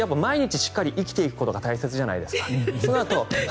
そういう人は毎日しっかり生きていくことが大事じゃないですか。